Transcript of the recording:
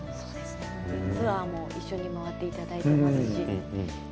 ツアーもずっと一緒に回っていただいています。